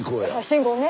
信号ね。